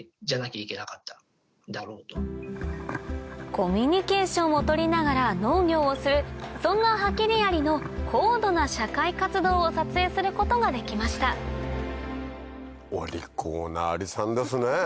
コミュニケーションを取りながら農業をするそんなハキリアリの高度な社会活動を撮影することができましたお利口なアリさんですね。